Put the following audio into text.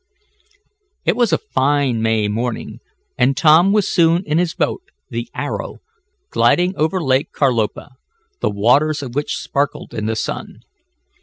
It was a fine May morning, and Tom was soon in his boat, the Arrow, gliding over Lake Carlopa, the waters of which sparkled in the sun.